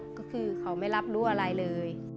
ก็คือเขาไม่รับรู้อะไรเลย